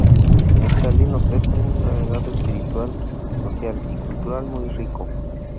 Neftalí nos deja un legado espiritual, social y cultural muy rico.